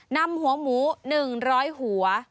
นำหัวหมู๑๐๐หัว